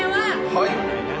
はい。